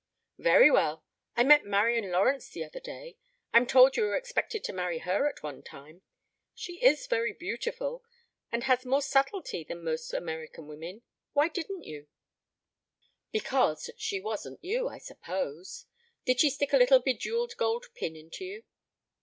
"Very well. ... I met Marian Lawrence the other day. I'm told you were expected to marry her at one time. She is very beautiful and has more subtlety than most American women. Why didn't you?" "Because she wasn't you, I suppose. Did she stick a little bejewelled gold pin into you?"